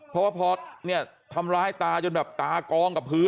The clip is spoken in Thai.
เพราะพอทำร้ายตาจนแบบสอบบาดก้องกับพื้น